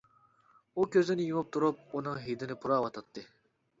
ئۇ كۆزىنى يۇمۇپ تۇرۇپ ئۇنىڭ ھىدىنى پۇراۋاتاتتى.